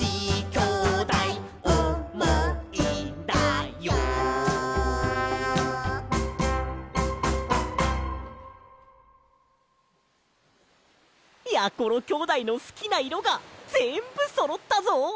きょうだいのすきないろがぜんぶそろったぞ！